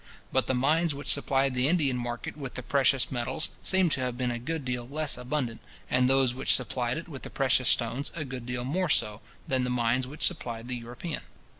But the mines which supplied the Indian market with the precious metals seem to have been a good deal less abundant, and those which supplied it with the precious stones a good deal more so, than the mines which supplied the European.